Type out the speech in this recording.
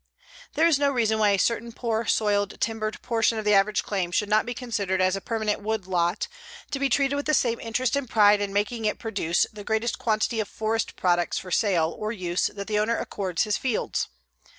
There is no reason why a certain poor soiled timbered portion of the average claim should not be considered as a permanent wood lot, to be treated with the same interest and pride in making it produce the greatest quantity of forest products for sale or use that the owner accords his fields.